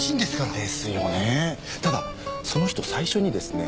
ただその人最初にですね